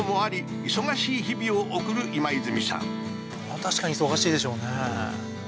確かに忙しいでしょうね